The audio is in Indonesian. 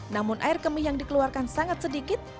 namun air kemih yang dikeluarkan sangat sedikit